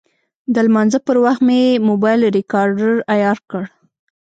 د لمانځه پر وخت مې موبایل ریکاډر عیار کړ.